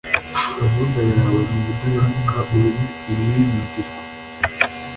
gahunda yawe mu budahemuka uri uwiringirwa